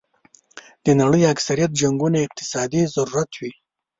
د نړۍ اکثریت جنګونه اقتصادي ضرورت وي.